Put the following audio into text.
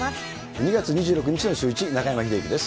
２月２６日のシューイチ、中山秀征です。